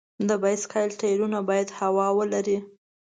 د بایسکل ټایرونه باید هوا ولري.